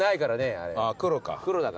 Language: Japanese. ああ黒か。